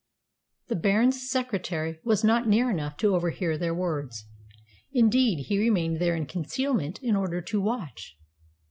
The Baron's secretary was not near enough to overhear their words. Indeed, he remained there in concealment in order to watch.